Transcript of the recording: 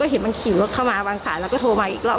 เห็นมันขี่รถเข้ามาวางสายแล้วก็โทรมาอีกรอบ